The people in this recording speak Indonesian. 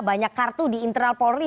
banyak kartu di internal polri